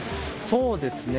そうですね。